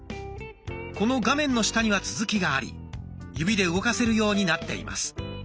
この画面の下には続きがあり指で動かせるようになっています。